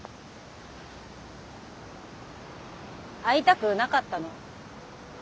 会いたくなかったの。